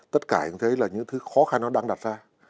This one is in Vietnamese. tất cả như thế là những thứ khó khăn nó đang đặt ra